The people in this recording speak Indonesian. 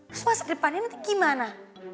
terus masa depannya nanti gimana